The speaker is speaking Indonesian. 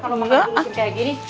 kalau makan dulu kayak gini